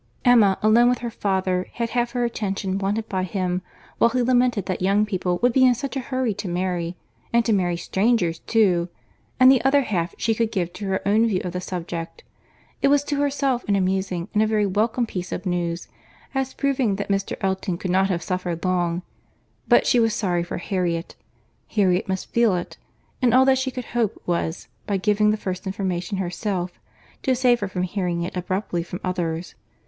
Emma, alone with her father, had half her attention wanted by him while he lamented that young people would be in such a hurry to marry—and to marry strangers too—and the other half she could give to her own view of the subject. It was to herself an amusing and a very welcome piece of news, as proving that Mr. Elton could not have suffered long; but she was sorry for Harriet: Harriet must feel it—and all that she could hope was, by giving the first information herself, to save her from hearing it abruptly from others.